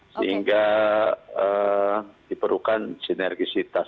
sehingga diperlukan sinergisitas